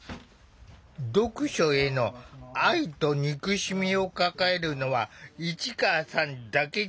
読書への愛と憎しみを抱えるのは市川さんだけじゃない。